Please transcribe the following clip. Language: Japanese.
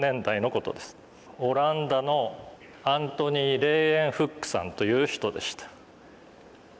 オランダのアントニ・レーウェンフックさんという人でした。